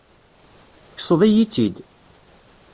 Tekkseḍ-iyi-tt-id.